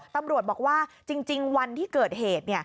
ตำรวจบอกว่าจริงวันที่เกิดเหตุ